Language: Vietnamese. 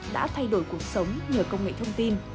đã thay đổi cuộc sống nhờ công nghệ thông tin